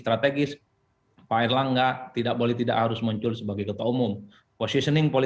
strategis pak erlangga tidak boleh tidak harus muncul sebagai ketua umum positioning